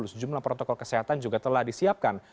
sejumlah protokol kesehatan juga telah disiapkan